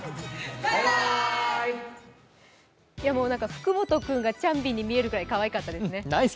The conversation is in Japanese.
福元君がチャンビンに見えるくらいかわいかったですね。